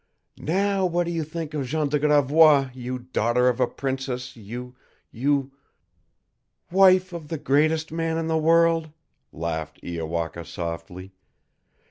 NOW what do you think of Jean de Gravois, you daughter of a princess, you you " "Wife of the greatest man in the world," laughed Iowaka softly.